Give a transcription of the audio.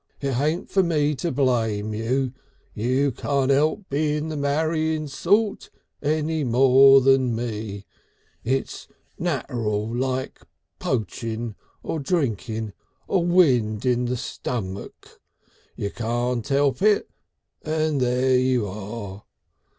It hain't for me to blame you. You can't 'elp being the marrying sort any more than me. It's nat'ral like poaching or drinking or wind on the stummik. You can't 'elp it and there you are!